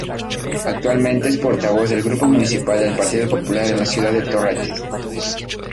Actualmente es portavoz del Grupo Municipal del Partido Popular en la ciudad de Torrent.